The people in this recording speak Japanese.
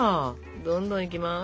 どんどんいきます。